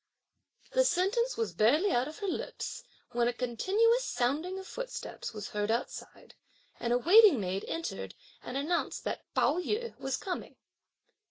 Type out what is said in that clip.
The sentence was barely out of her lips, when a continuous sounding of footsteps was heard outside, and a waiting maid entered and announced that Pao yü was coming.